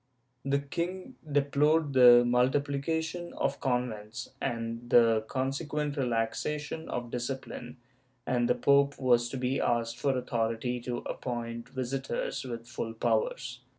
The king deplored the multiplication of convents, and the conseciuent relaxation of discipline, and the pope was to be asked for authority to appoint visitors with full powers.